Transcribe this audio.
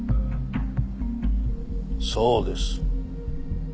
そうです。